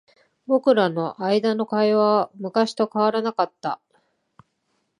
僕らの間の会話は昔と変わらなかった。